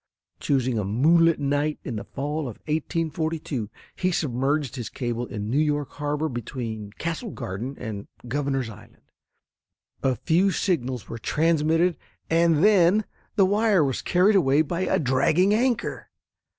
Choosing a moonlight night in the fall of 1842, he submerged his cable in New York Harbor between Castle Garden and Governors Island. A few signals were transmitted and then the wire was carried away by a dragging anchor.